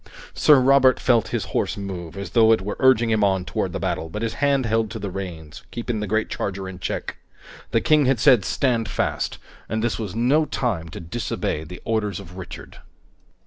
Sir Robert felt his horse move, as though it were urging him on toward the battle, but his hand held to the reins, keeping the great charger in check. The King had said "Stand fast!" and this was no time to disobey the orders of Richard.